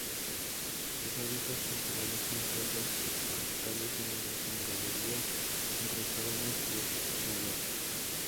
Sus hábitats naturales son selvas subtropicales húmedas en galería entre sabanas del cerrado.